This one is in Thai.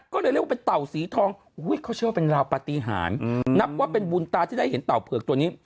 ก็เลยเรียกว่าเป็นเต่าสีทองเขาเชื่อว่าเป็นราวปฏิหารนับว่าเป็นบุญตาที่ได้เห็นเต่าเผือกตัวนี้